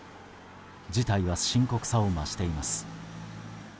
事態は深刻さを増しています。